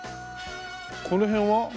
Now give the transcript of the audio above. この辺は？